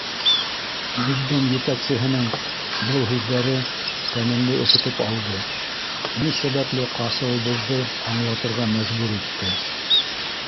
Детдом етәксеһенең был һүҙҙәре тәнемде өшөтөп алды, ни сәбәпле ҡасыуыбыҙҙы аңлатырға мәжбүр итте.